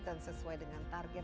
dan sesuai dengan target